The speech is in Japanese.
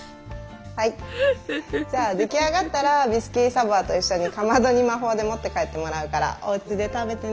はいじゃあ出来上がったらビスキュイ・ド・サヴォワと一緒にかまどに魔法で持って帰ってもらうからおうちで食べてね。